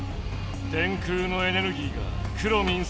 電空のエネルギーがくろミン